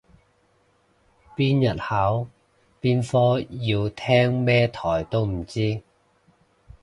邊日考邊科要聽咩台都唔知